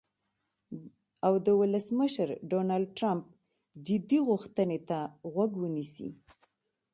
او د ولسمشر ډونالډ ټرمپ "جدي غوښتنې" ته غوږ ونیسي.